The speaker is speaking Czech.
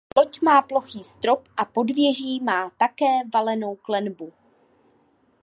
Loď má plochý strop a podvěží má také valenou klenbu.